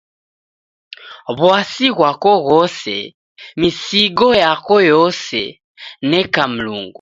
W'asi ghwako ghose, misigo yako yose, neka Mlungu.